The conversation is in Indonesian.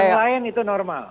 yang lain itu normal